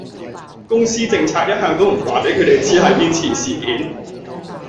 公司政策一向唔話俾佢地知係邊次事件